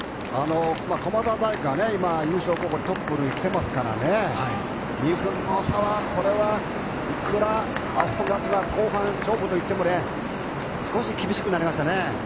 駒澤大学が優勝候補トップに来てますから２分の差はいくら青学が後半勝負といっても少し厳しくなりましたね。